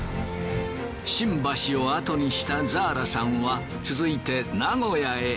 新橋をあとにしたザーラさんは続いて名古屋へ。